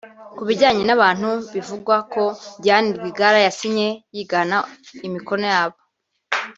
Ku bijyanye n’abantu bivugwa ko Diane Rwigara yasinye yigana imikono yabo